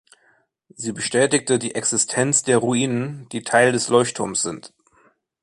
Sie bestätigte die Existenz der Ruinen, die Teil des Leuchtturms sind.